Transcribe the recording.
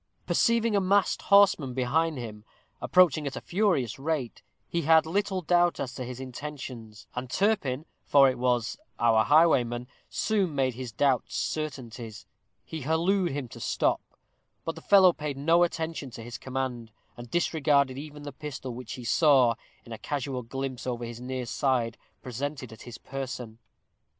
Perceiving a masked horseman behind him, approaching at a furious rate, he had little doubt as to his intentions, and Turpin, for it was our highwayman, soon made his doubts certainties. He hallooed to him to stop; but the fellow paid no attention to his command, and disregarded even the pistol which he saw, in a casual glimpse over his near side, presented at his person.